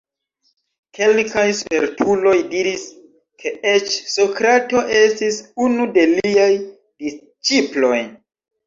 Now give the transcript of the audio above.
Kelkaj spertuloj diris ke eĉ Sokrato estis unu de liaj disĉiploj.